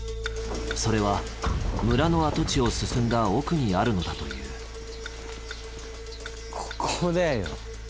それは村の跡地を進んだ奥にあるのだというここだよ。